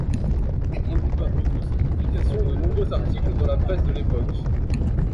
On lui doit, outre ses publications, de nombreux articles dans la presse de l'époque.